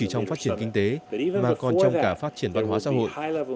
trong phát triển kinh tế mà còn trong cả phát triển văn hóa xã hội